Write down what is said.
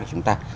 cho chúng ta